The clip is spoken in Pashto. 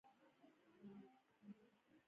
باید پانګونه تشویق، حمایه او وهڅول شي.